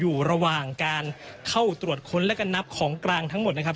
อยู่ระหว่างการเข้าตรวจค้นและกันนับของกลางทั้งหมดนะครับ